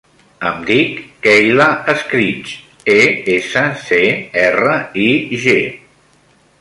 Em dic Keyla Escrig: e, essa, ce, erra, i, ge.